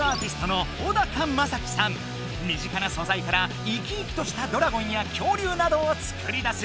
身近なそざいから生き生きとしたドラゴンやきょうりゅうなどを作り出す。